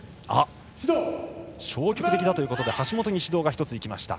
消極的だということで橋本に指導が１ついきました。